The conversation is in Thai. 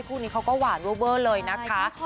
คู่นี้เขาก็หวานเวอร์เลยนะคะ